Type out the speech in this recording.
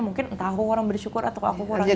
mungkin entah aku kurang bersyukur atau aku kurang iman